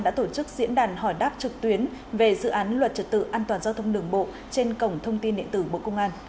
đã tổ chức diễn đàn hỏi đáp trực tuyến về dự án luật trật tự an toàn giao thông đường bộ trên cổng thông tin điện tử bộ công an